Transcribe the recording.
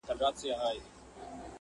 « په هجران کي غم د یار راسره مل دی!.